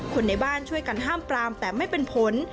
คนในบ้านช่วยกันห้ามปรามแต่ไม่เป็นผล